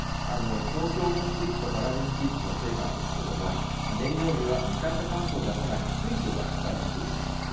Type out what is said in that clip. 東京オリンピックとパラリンピックの聖火なんですけども、燃料には二酸化炭素を出さない水素が使われているんです。